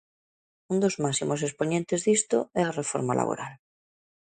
Un dos máximos expoñentes disto é a reforma laboral.